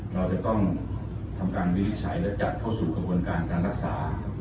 เราจะต้องทำการวินิจฉัยและจัดเข้าสู่กระบวนการการรักษา